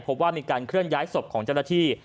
พบว่ามีการเคลื่อนย้ายศพของเจ้าหน้าที่